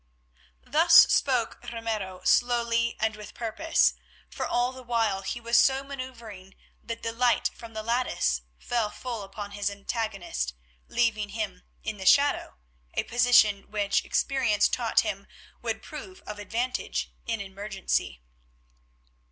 Thus spoke Ramiro, slowly and with purpose, for all the while he was so manoeuvring that the light from the lattice fell full upon his antagonist, leaving himself in the shadow, a position which experience taught him would prove of advantage in emergency.